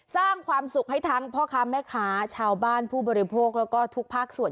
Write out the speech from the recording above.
สร้างความสุขให้ทั้งพ่อค้าแม่ค้าชาวบ้านผู้บริโภคแล้วก็ทุกภาคส่วน